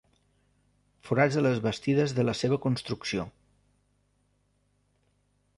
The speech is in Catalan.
Forats de les bastides de la seva construcció.